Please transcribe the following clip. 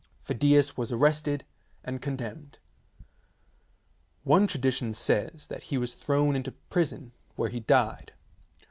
Phidias was arrested and condemned. One tradition says that he was thrown into prison, where he died.